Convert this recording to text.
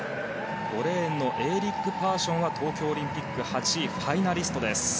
５レーンのエーリック・パーションは東京オリンピック８位ファイナリストです。